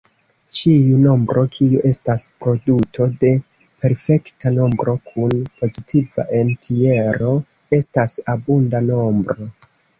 Ĉiu nombro kiu estas produto de perfekta nombro kun pozitiva entjero estas abunda nombro.